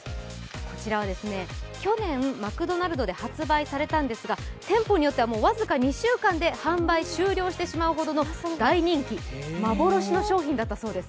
こちらは去年マクドナルドで発売されたんですが、店舗によっては僅か２週間で販売終了してしまうほどの大人気幻の商品だったそうです。